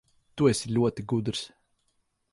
Tu esi ļoti gudrs.